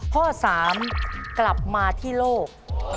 ข้อ๓กลับมาที่โลก